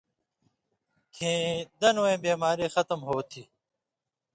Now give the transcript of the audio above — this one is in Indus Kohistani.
کھیں دنہۡ وَیں بیماری ختم ہوتھی۔